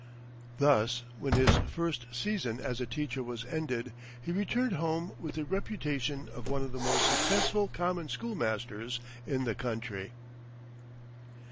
Thus, when his first season as a teacher was ended, he returned home with the reputation of one of the most successful common schoolmasters in the country.